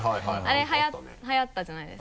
あれはやったじゃないですか。